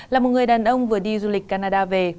là một người đàn ông vừa đi du lịch canada về